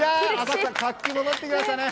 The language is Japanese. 活気が戻ってきましたね。